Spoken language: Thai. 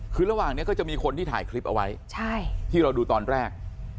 คือระหว่างนี้ก็จะมีคนที่ถ่ายคลิปเอาไว้ที่เราดูตอนแรก